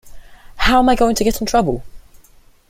How am I going to get in trouble?